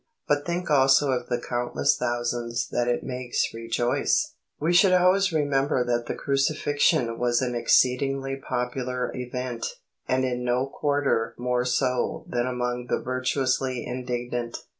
But think also of the countless thousands that it makes rejoice! We should always remember that the Crucifixion was an exceedingly popular event, and in no quarter more so than among the virtuously indignant.